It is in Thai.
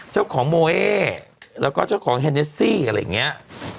เจ้าของโมเอแล้วก็เจ้าของเฮเนสซี่อะไรอย่างเงี้ย